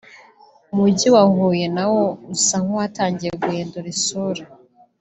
Umujyi wa Huye na wo usa nk’uwatangiye guhindura isura